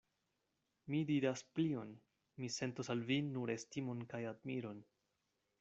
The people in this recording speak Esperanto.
Mi diras plion: mi sentos al vi nur estimon kaj admiron.